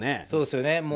そうですよね。